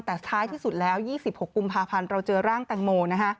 แต่ท้ายที่สุดแล้ว๒๖กุมภาพันธ์เราเจอร่างแตงโม